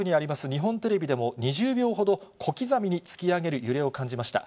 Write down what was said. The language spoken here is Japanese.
日本テレビでも、２０秒ほど小刻みに突き上げる揺れを感じました。